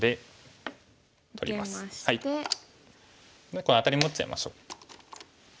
でこれアタリも打っちゃいましょう。